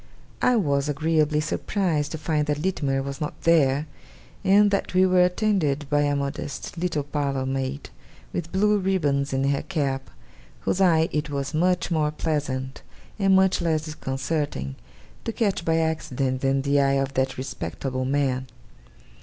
I was agreeably surprised to find that Littimer was not there, and that we were attended by a modest little parlour maid, with blue ribbons in her cap, whose eye it was much more pleasant, and much less disconcerting, to catch by accident, than the eye of that respectable man.